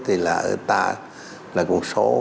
thì ở ta là một số